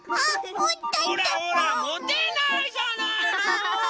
ほらほらもてないじゃないの。